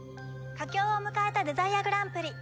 佳境を迎えたデザイアグランプリ。